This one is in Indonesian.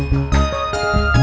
mak mau beli es krim